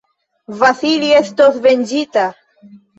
Vasili estos venĝita!